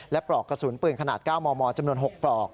และปลอกกระสุนปืนขนาด๙มมจำนวน๖ปลอก